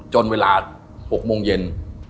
จนเวลา๖โมงเย็น